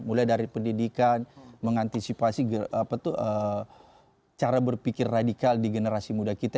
mulai dari pendidikan mengantisipasi cara berpikir radikal di generasi muda kita